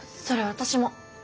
それ私も。